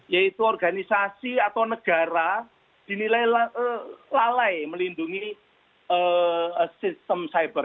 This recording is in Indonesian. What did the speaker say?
yaitu organisasi atau negara dinilai lalai melindungi sistem cyber